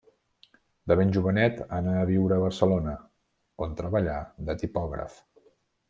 De ben jovenet anà a viure a Barcelona, on treballà de tipògraf.